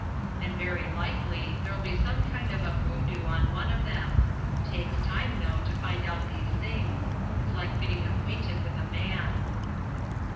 And very likely there'll be some kind of a hoodoo on one of 'em. Takes time, though, to find out these things. It's like getting acquainted with a man."